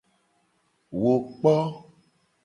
Wo kpo.